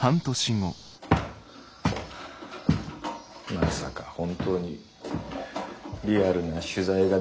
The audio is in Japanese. まさか本当に「リアル」な取材ができなくなるとはね。